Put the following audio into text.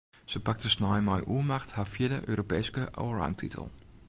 Se pakte snein mei oermacht har fjirde Europeeske allroundtitel.